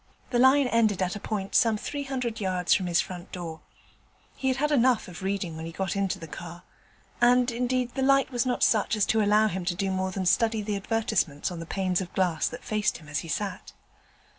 The line ended at a point some three hundred yards from his front door. He had had enough of reading when he got into the car, and indeed the light was not such as to allow him to do more than study the advertisements on the panes of glass that faced him as he sat.